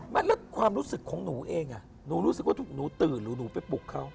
ไม่แล้วความรู้สึกของหนูเองหนูรู้สึกว่าหนูตื่นหรือหนูไปปลุกเขา